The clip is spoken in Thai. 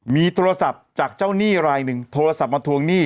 มีโทรศัพท์จากเจ้าหนี้รายหนึ่งโทรศัพท์มาทวงหนี้